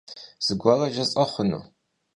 Zıguere jjıs'e xhunu?